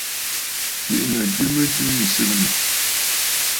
Bì’inǝ̀ jɨ mɨjɨ mì sɨgɨnǝ̀.